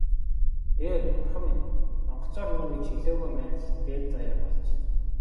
Ээ, бурхан минь, онгоцоор нүүнэ гэж хэлээгүй маань л дээд заяа болж.